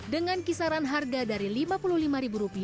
dengan kisaran harga dari rp lima puluh lima